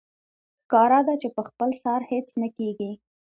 ښکاره ده چې په خپل سر هېڅ نه کېږي